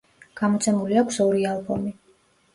გამოცემული აქვს ორი ალბომი.